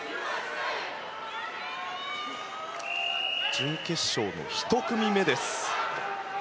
準決勝の１組目です。